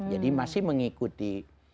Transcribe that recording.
jadi masih mengikuti